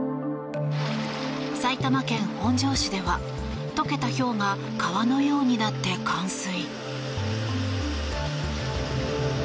埼玉県本庄市では溶けたひょうが川のようになって冠水。